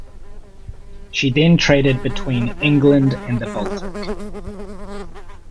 She then traded between England and the Baltic.